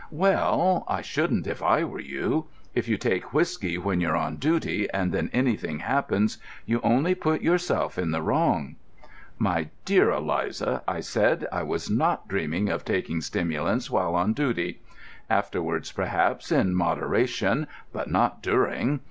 "Well, I shouldn't if I were you. If you take whiskey when you're on duty, and then anything happens, you only put yourself in the wrong." [Illustration: "I had forgotten my cocoa flask" (page 139).] "My dear Eliza," I said, "I was not dreaming of taking stimulants while on duty. Afterwards, perhaps, in moderation, but not during.